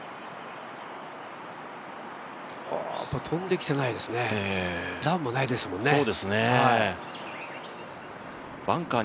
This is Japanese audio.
飛んできてないですね。